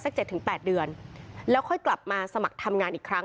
สักเจ็ดถึงแปดเดือนแล้วค่อยกลับมาสมัครทำงานอีกครั้ง